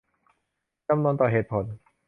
จำนนต่อเหตุผล